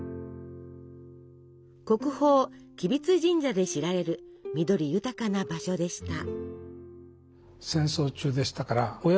国宝吉備津神社で知られる緑豊かな場所でした。